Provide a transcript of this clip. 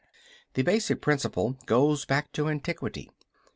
The basic principle goes back to antiquity.